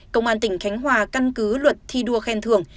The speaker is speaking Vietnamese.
công an tỉnh khánh hòa căn cứ luật thi đua khen thường